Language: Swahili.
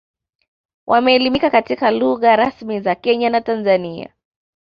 Wameelimika katika lugha rasmi za Kenya na Tanzania